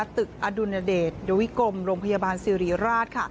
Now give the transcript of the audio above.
อดุลเดชดวิกรมโรงพยาบาลสิริราช